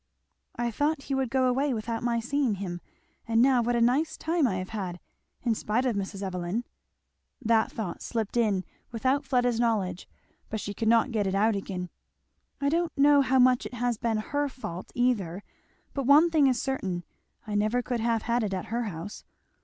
"I thought he would go away without my seeing him, and now what a nice time I have had! in spite of Mrs. Evelyn " That thought slipped in without Fleda's knowledge, but she could not get it out again. "I don't know how much it has been her fault either, but one thing is certain I never could have had it at her house.